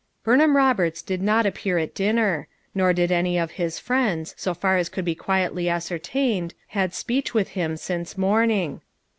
1 " Burnham Roberts did not appear at dinner; nor had any of his friends, so far as could be quietly ascertained, had speech with him since morning.